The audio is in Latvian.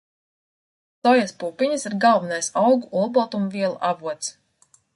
Sojas pupiņas ir galvenais augu olbaltumvielu avots.